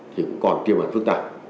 thì cũng còn tiêu hoạt phức tạp